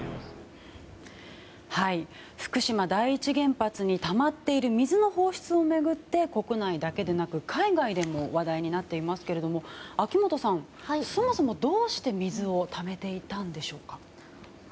福島第一原発にたまっている水の放出を巡って国内だけでなく海外でも話題になっていますけど秋元さん、そもそもどうして水をためていたんでしょうか。